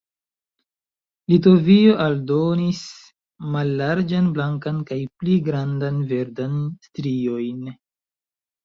Litovio aldonis mallarĝan blankan kaj pli grandan verdan striojn.